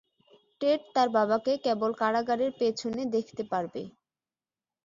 TET তার বাবাকে কেবল কারাগারের পেছনে দেখতে পারবে।